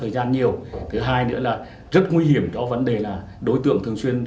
điện biên đông